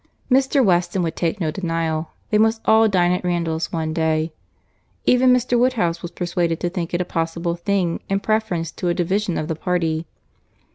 Mr. Weston would take no denial; they must all dine at Randalls one day;—even Mr. Woodhouse was persuaded to think it a possible thing in preference to a division of the party.